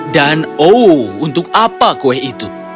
dan oh untuk apa kue itu